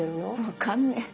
分かんね。